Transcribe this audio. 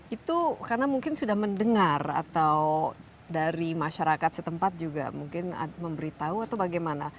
itu karena mungkin sudah mendengar atau dari masyarakat setempat juga mungkin memberitahu atau bagaimana